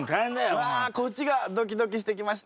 わこっちがドキドキしてきました。